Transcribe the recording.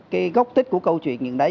cái gốc tích của câu chuyện những đấy